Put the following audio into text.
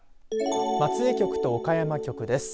松江局と岡山局です。